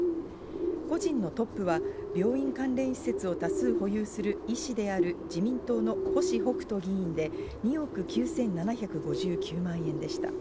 個人のトップは病院関連施設を多数保有する医師である自民党の星北斗議員で、２億９７５９万円でした。